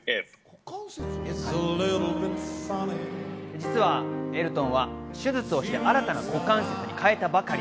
実はエルトンは手術をして新たな股関節に変えたばかり。